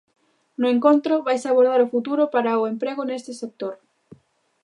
No encontro vaise abordar o futuro para o emprego neste sector.